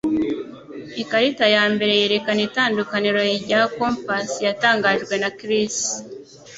Ikarita ya mbere yerekana itandukaniro rya compas yatangajwe na Chris.